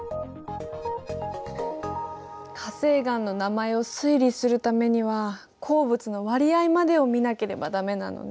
火成岩の名前を推理するためには鉱物の割合までを見なければダメなのね。